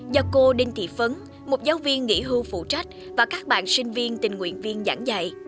do cô đinh thị phấn một giáo viên nghỉ hưu phụ trách và các bạn sinh viên tình nguyện viên giảng dạy